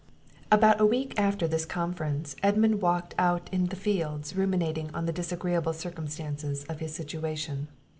About a week after this conference, Edmund walked out in the fields ruminating on the disagreeable circumstances of his situation.